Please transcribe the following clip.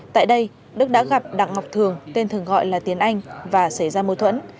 tại đây đức đã gặp đặng ngọc thường tên thường gọi là tiến anh và xảy ra mâu thuẫn